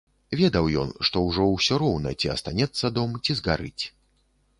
Ведаў ён, што ўжо ўсё роўна, ці астанецца дом, ці згарыць.